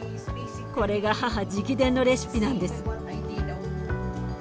これが母直伝のレシピなんです。